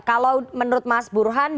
kalau menurut mas burhan